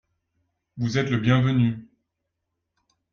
Vous êtes le bienvenu.